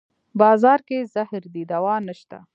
بازار کې زهر دی دوانشته